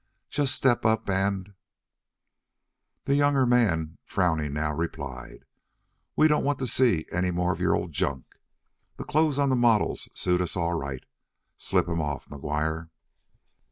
Just step up and " The younger man, frowning now, replied: "We don't want to see any more of your junk. The clothes on the models suit us all right. Slip 'em off, McGuire."